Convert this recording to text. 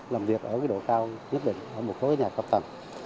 làm việc ở độ cao nhất định ở một số nhà cao tầng